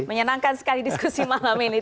menyenangkan sekali diskusi malam ini